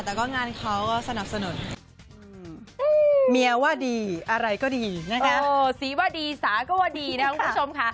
แต่งานเขาก็สนับสนุน